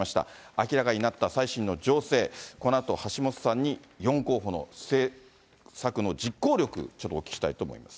明らかになった最新の情勢、このあと橋下さんに４候補の政策の実行力、ちょっとお聞きしたいと思います。